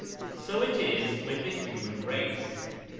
So it is with the human race.